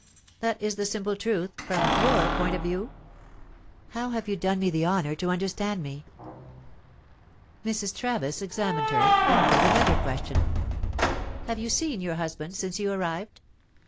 "That is the simple truth, from your point of view?" "How have you done me the honour to understand me?" Mrs. Travis examined her; then put another question. "Have you seen your husband since you arrived?"